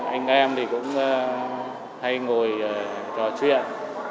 anh em thì cũng hay ngồi trò chuyện